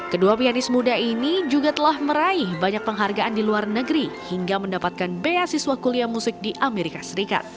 kedua pianis muda ini juga telah meraih banyak penghargaan di luar negeri hingga mendapatkan beasiswa kuliah musik di amerika serikat